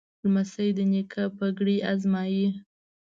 لمسی د نیکه پګړۍ ازمایي.